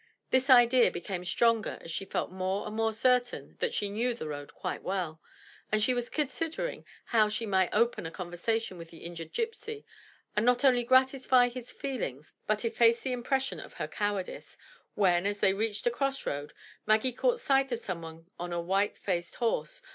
This idea became stronger as she felt more and more certain that she knew the road quite well, and she was considering how she might open a conversation with the injured gypsy, and not only gratify his feelings but efface the impression of her cowardice, when, as they reached a cross road, Maggie caught sight of someone coming on a white faced horse.